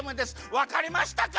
わかりましたか？